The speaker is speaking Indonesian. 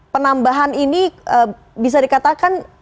penambahan ini bisa dikatakan